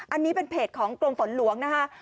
อันนี้เป็นเพจของกรมฝนหลวงนะคะ